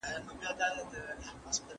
بېثباتۍ پر لور روان دي.